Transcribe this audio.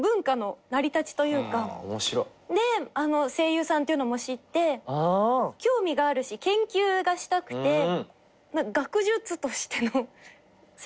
で声優さんというのも知って興味があるし研究がしたくて学術としての声優が面白いみたいな。